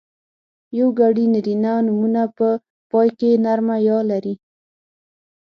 یوګړي نرينه نومونه په پای کې نرمه ی لري.